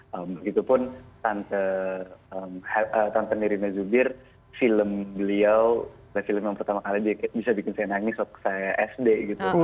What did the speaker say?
begitupun tante nirina zubir film beliau adalah film yang pertama kali bisa bikin saya nangis waktu saya sd gitu